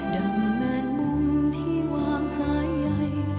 ดำแม่นมุมที่วางสายใย